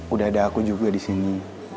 udah ada aku juga disini